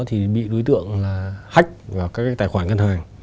thì bị đối tượng là hách vào các tài khoản ngân hàng